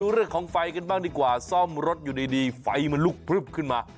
เรื่องของไฟกันบ้างดีกว่าซ่อมรถอยู่ดีไฟมันลุกพลึบขึ้นมา